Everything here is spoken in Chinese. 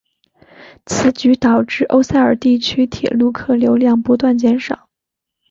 此举导致欧塞尔地区铁路客流量不断减少。